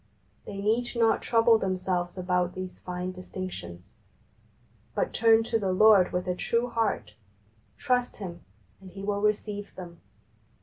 They need not trouble them selves about these fine distinctions, but turn to the Lord with a true heart, trust Him, and He will receive them.